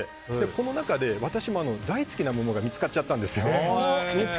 この中で私も大好きな桃が見つかっちゃったんです。